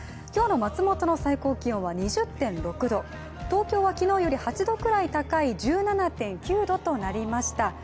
今日の松本の最高気温は２０．６度東京は昨日より８度ぐらい高い１７．９度となりました。